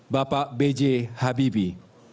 bapak b j habibie